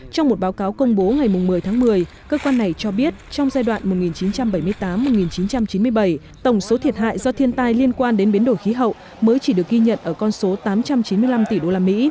trong một báo cáo công bố ngày một mươi tháng một mươi cơ quan này cho biết trong giai đoạn một nghìn chín trăm bảy mươi tám một nghìn chín trăm chín mươi bảy tổng số thiệt hại do thiên tai liên quan đến biến đổi khí hậu mới chỉ được ghi nhận ở con số tám trăm chín mươi năm tỷ usd